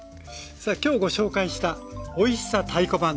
さあ今日ご紹介した「おいしさ太鼓判！